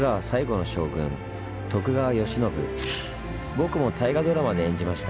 僕も大河ドラマで演じました。